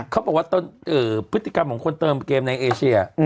เขาบอกว่าพฤติกรรมของคนเติมเกมในเอเชีย